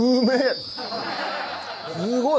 すごい。